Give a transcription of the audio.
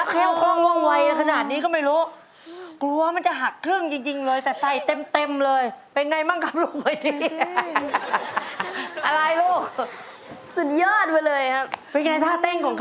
เป็นไงบ้างครับลูก